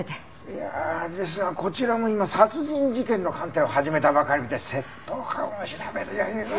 いやですがこちらも今殺人事件の鑑定を始めたばかりで窃盗犯を調べる余裕は。